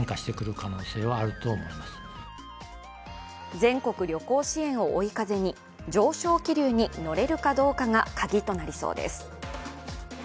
全国旅行支援を追い風に上昇気流に乗れるかどうかがカギとなりそうです。